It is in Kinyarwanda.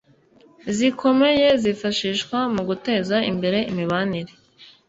zikomeye zifashishwa mu guteza imbere imibanire